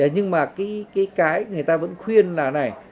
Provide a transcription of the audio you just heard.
nhưng mà cái người ta vẫn khuyên là này